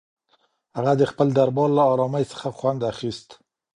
هغه د خپل دربار له ارامۍ څخه خوند اخیست.